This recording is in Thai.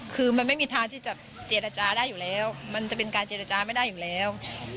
คือมันไม่มีทางที่จะเจรจาได้อยู่แล้วมันจะเป็นการเจรจาไม่ได้อยู่แล้ว